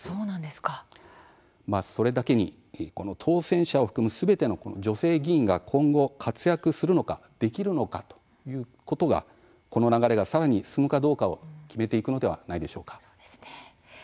それだけに当選者を含むすべての女性議員が今後、活躍するのか、できるのかということがこの流れがさらに進むかどうかを決めていくのではないでしょうか。